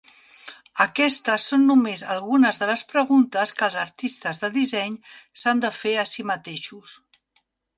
Aquestes són només algunes de les preguntes que els artistes de disseny s'han de fer a si mateixos.